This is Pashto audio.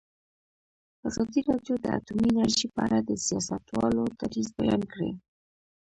ازادي راډیو د اټومي انرژي په اړه د سیاستوالو دریځ بیان کړی.